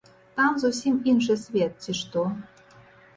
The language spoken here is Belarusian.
Там зусім іншы свет, ці што?